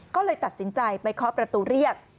ก็เลยตัดสินใจไปเคาะประตูเรียก